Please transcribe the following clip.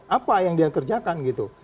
apa yang dia kerjakan gitu